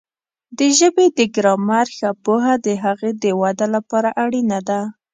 د ژبې د ګرامر ښه پوهه د هغې د وده لپاره اړینه ده.